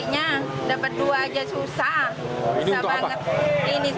kamu harus ngantri gini